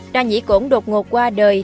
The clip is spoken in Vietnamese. đa nhĩ cổn đột ngột qua đời